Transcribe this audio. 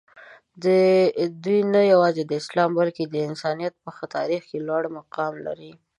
دوي نه یوازې د اسلام بلکې د انسانیت په تاریخ کې لوړ مقام لري.